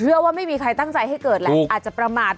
ว่าไม่มีใครตั้งใจให้เกิดแหละอาจจะประมาท